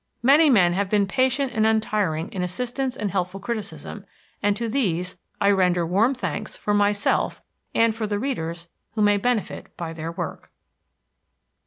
Many men have been patient and untiring in assistance and helpful criticism, and to these I render warm thanks for myself and for readers who may benefit by their work.